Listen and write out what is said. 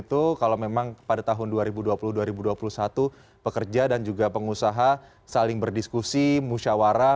itu kalau memang pada tahun dua ribu dua puluh dua ribu dua puluh satu pekerja dan juga pengusaha saling berdiskusi musyawara